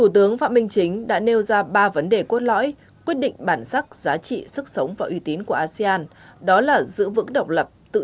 đó là giữ vững độc lập tự trị tăng trưởng và tăng cầu